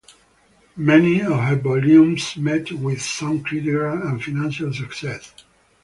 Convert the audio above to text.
Many of her volumes met with some critical and financial success.